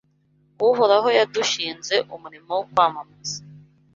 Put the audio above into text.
Uhoraho yadushinze umurimo wo kwamamaza